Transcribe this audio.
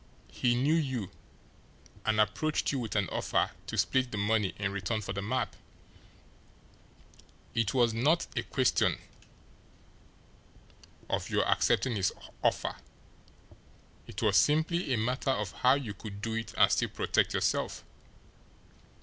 He KNEW you, and approached you with an offer to split the money in return for the map. It was not a question of your accepting his offer it was simply a matter of how you could do it and still protect yourself.